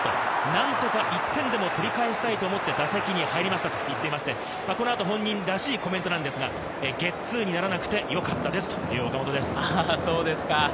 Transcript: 何とか１点でも取り返したいと思って、打席に入りましたと言っていまして、この後、本人らしいコメントなんですが、ゲッツーにならなくてよかったですという岡本です。